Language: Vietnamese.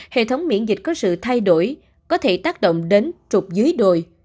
hệ thống miễn dịch có sự thay đổi có thể tác động đến trục dưới đồi